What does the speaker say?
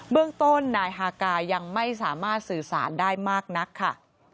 เรื่องต้นนายฮากายังไม่สามารถสื่อสารได้มากนักค่ะ